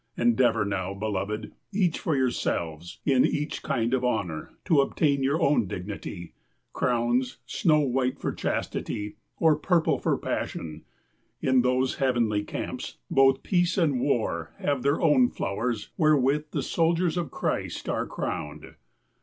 Endeavor now, beloved, each for yourselves, in each kind of honor, to obtain your own dignity — crowns, snow white for chastity, or purple for passion. In those heav enly camps, both peace and war have their own flowers wherewith the soldiers of Christ are crowned.